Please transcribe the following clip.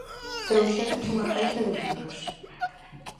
Trouxéronche unha caixa de libros.